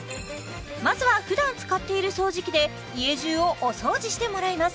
まずはふだん使っている掃除機で家じゅうをお掃除してもらいます